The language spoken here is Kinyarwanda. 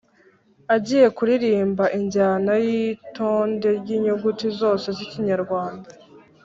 –agiye kuririmba injyana y’itonde ry’inyuguti zose z’ikinyarwanda;